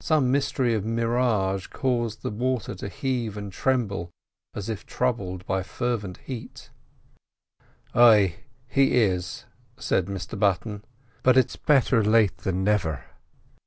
Some mystery of mirage caused the water to heave and tremble as if troubled by fervent heat. "Ay, is he," said Mr Button; "but it's better late than never.